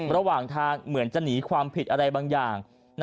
ระหว่างทางเหมือนจะหนีความผิดอะไรบางอย่าง